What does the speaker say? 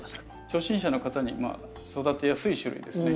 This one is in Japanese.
初心者の方にまあ育てやすい種類ですね。